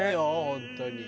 本当に。